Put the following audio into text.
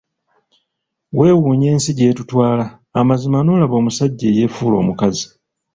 Wewuunya ensi gyetutwala amazima n'olaba omusajja eyefuula omukazi.